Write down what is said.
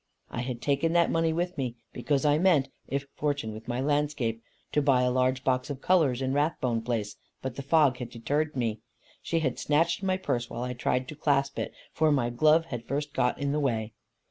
I had taken that money with me, because I meant, if fortunate with my landscape, to buy a large box of colours in Rathbone place; but the fog had deterred me. She had snatched my purse while I tried to clasp it, for my glove had first got in the way.